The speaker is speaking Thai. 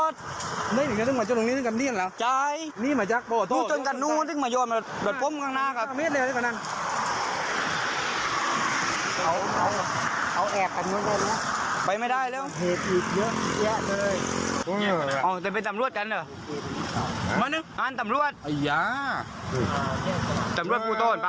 ดูคลิปต้นเรื่องกันก่อนค่ะ